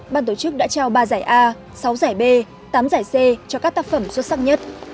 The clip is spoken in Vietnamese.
ban tổ chức đã trao ba giải a sáu giải b tám giải c cho các tác phẩm xuất sắc nhất